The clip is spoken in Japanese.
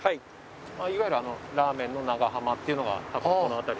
いわゆるラーメンの長浜っていうのが多分この辺り。